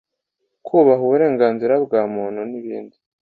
kubaha uburenganzira bwa muntu n'ibindi